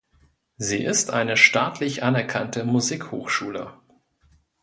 Sie ist eine staatlich anerkannte Musikhochschule.